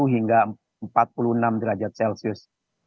hingga empat puluh enam derajat celcius